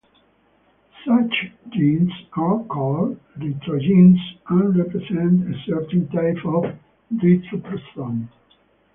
Such genes are called retrogenes and represent a certain type of retroposon.